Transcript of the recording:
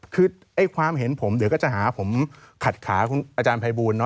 คือความเห็นผมเดี๋ยวก็จะหาผมขัดขาคุณอาจารย์ภัยบูล